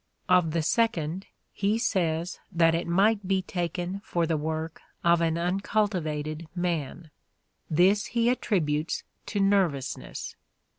Of the second he says that it might be taken for the work of an uncultivated man : this he attributes to nervousness.